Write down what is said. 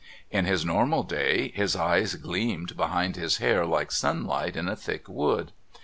In his normal day his eyes gleamed behind his hair like sunlight in a thick wood.